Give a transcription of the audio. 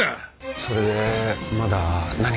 それでまだ何か？